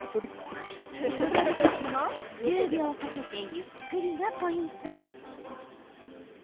戻る時も１０秒かけてゆっくりがポイント。